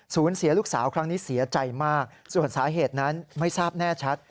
เสียลูกสาวครั้งนี้เสียใจมากส่วนสาเหตุนั้นไม่ทราบแน่ชัด